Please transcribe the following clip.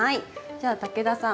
じゃあ武田さん